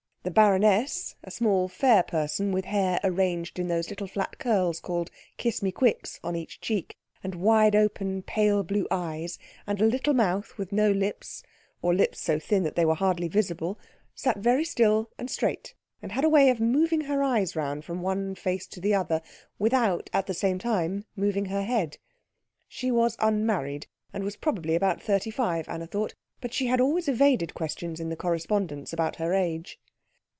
The baroness, a small, fair person with hair arranged in those little flat curls called kiss me quicks on each cheek, and wide open pale blue eyes, and a little mouth with no lips, or lips so thin that they were hardly visible, sat very still and straight, and had a way of moving her eyes round from one face to the other without at the same time moving her head. She was unmarried, and was probably about thirty five, Anna thought, but she had always evaded questions in the correspondence about her age.